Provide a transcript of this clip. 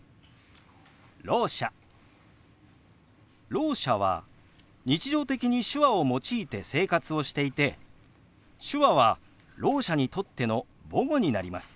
ろう者は日常的に手話を用いて生活をしていて手話はろう者にとっての母語になります。